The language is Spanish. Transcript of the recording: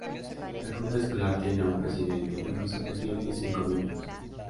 La junta escolar tiene un presidente, un vicepresidente, y cinco miembros.